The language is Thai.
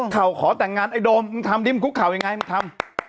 เค้าขอแต่งงานไอ้โดมทำนี้มึงคลุกค่าวยังไงมึงทำ